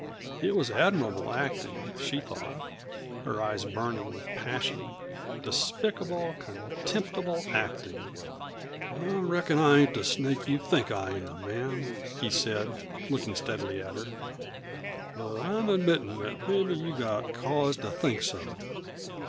It was admirable acting, she thought, her eyes burning with passion despicable, contemptible acting. "I reckon I ain't the snake you think I am, ma'am," he said, looking steadily at her. "But I'm admittin' that mebbe you've got cause to think so.